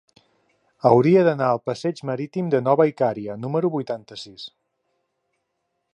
Hauria d'anar al passeig Marítim de Nova Icària número vuitanta-sis.